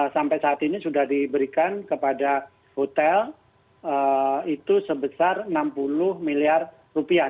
sampai saat ini sudah diberikan kepada hotel itu sebesar enam puluh miliar rupiah